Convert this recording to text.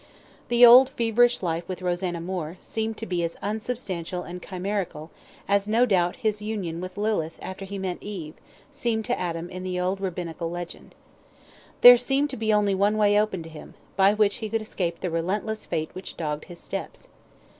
The old feverish life with Rosanna Moore, seemed to be as unsubstantial and chimerical, as, no doubt, his union with Lillith after he met Eve, seemed to Adam in the old Rabbinical legend. There seemed to be only one way open to him, by which he could escape the relentless fate which dogged his steps.